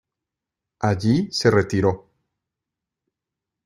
Allí se retiró.